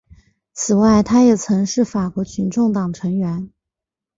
此外他也曾是法国群众党成员。